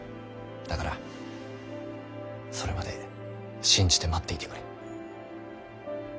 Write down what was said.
だからそれまで信じて待っていてくれ。